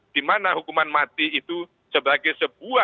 di mana hukuman mati itu sebagai sebuah ya